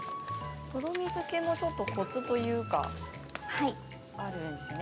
とろみづけもコツというか、あるんですね。